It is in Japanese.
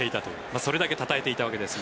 それだけ称えていたわけですが。